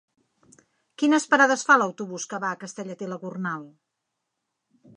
Quines parades fa l'autobús que va a Castellet i la Gornal?